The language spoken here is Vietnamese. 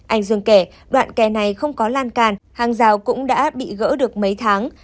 anh dương kể đoạn kè này không có lan càn hàng rào cũng đã bị gỡ được mấy tháng